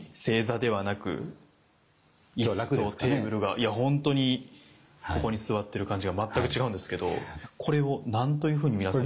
いや本当にここに座ってる感じが全く違うんですけどこれを何というふうに皆さん。